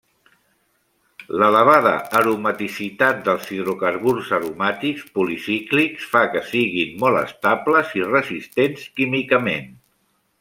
L'elevada aromaticitat dels hidrocarburs aromàtics policíclics fa que siguin molt estables i resistents químicament.